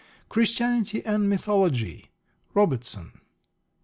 Christianity and Mythology, Robertson.